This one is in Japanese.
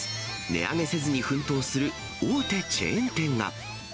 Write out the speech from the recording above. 値上げせずに奮闘する大手チェーン店が。